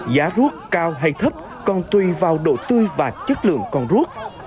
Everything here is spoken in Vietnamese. giá rút cao hay thấp còn tùy vào độ tươi và chất lượng con rút